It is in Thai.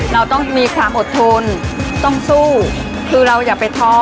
เราต้องมีความอดทนต้องสู้คือเราอย่าไปท้อ